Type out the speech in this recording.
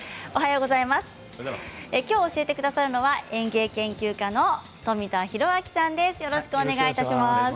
きょう教えてくださるのは園芸研究家の富田裕明さんです。